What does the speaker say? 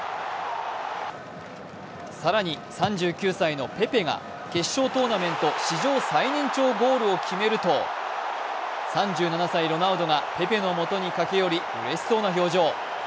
更に３９歳のペペが決勝トーナメント史上最年長ゴールを決めると３７歳ロナウドがペペのもとに駆け寄りうれしそうな表情。